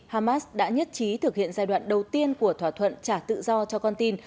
hamas đã nhất trí thực hiện giai đoạn đầu tiên của thỏa thuận trả tự do cho con tin